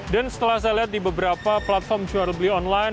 dan setelah saya lihat di beberapa platform jual beli online